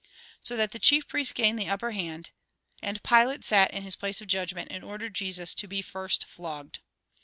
So that the chief priests gained the upper hand. And Pilate sat in his place of judgment, and ordered Jesus to be first flogged.